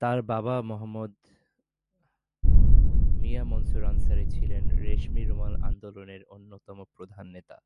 তার বাবা মুহাম্মদ মিয়াঁ মনসুর আনসারি ছিলেন রেশমি রুমাল আন্দোলনের অন্যতম প্রধান নেতা।